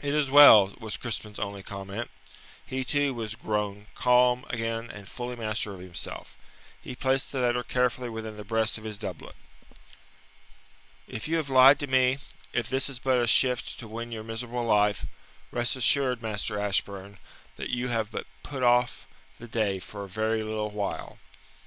"It is well," was Crispin's only comment. He, too, was grown calm again and fully master of himself. He placed the letter carefully within the breast of his doublet. "If you have lied to me, if this is but a shift to win your miserable life, rest assured, Master Ashburn, that you have but put off the day for a very little while."